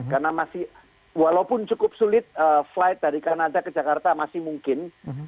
karena masih walaupun cukup sulit flight dari kanada ke jakarta masih mungkin